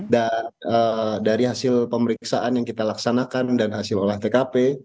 dan dari hasil pemeriksaan yang kita laksanakan dan hasil olah tkp